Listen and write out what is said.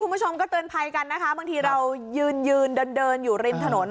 คุณผู้ชมก็เตือนภัยกันนะคะบางทีเรายืนยืนเดินอยู่ริมถนน